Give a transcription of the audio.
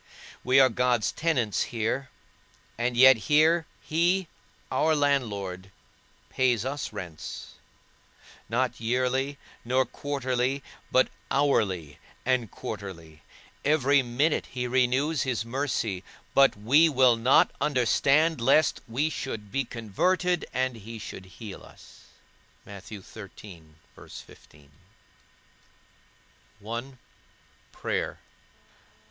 We are God's tenants here, and yet here, he, our landlord, pays us rents; not yearly, nor quarterly, but hourly, and quarterly; every minute he renews his mercy, but we will not understand, lest that we should be converted, and he should heal us. I. PRAYER.